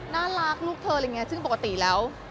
น่ารักลูกเธอซึ่งปกติแล้ว